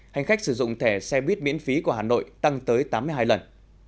hành khách sử dụng thẻ xe buýt miễn phí của hà nội tăng tới tám mươi hai lần